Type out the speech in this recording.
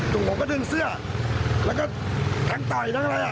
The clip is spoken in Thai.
จุ่งผมก็ดึงเสื้อแล้วก็ทั้งไต่ทั้งอะไร